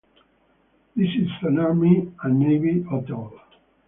This is an army and navy hotel.